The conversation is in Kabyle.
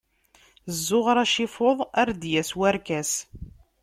Zzuɣer acifuḍ, ar d-yas-warkas.